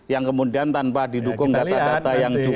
yang kemudian tanpa didukung data data yang cukup